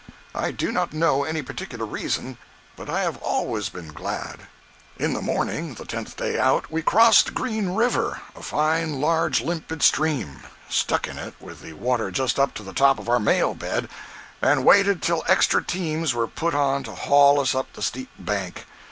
I do not know any particular reason, but I have always been glad. In the morning, the tenth day out, we crossed Green River, a fine, large, limpid stream—stuck in it with the water just up to the top of our mail bed, and waited till extra teams were put on to haul us up the steep bank.